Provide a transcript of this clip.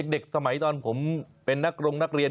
เด็กสมัยตอนผมเป็นนักรงนักเรียน